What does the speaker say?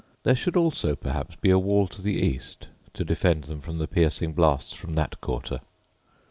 There should also perhaps be a wall to the east to defend them from the piercing blasts from that quarter.